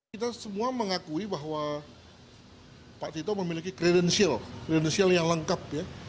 kita semua mengakui bahwa pak tito memiliki kredensial yang lengkap ya